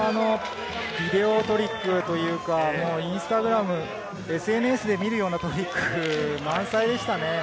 ビデオトリックというか、インスタグラム、ＳＮＳで見るようなトリック満載でしたね。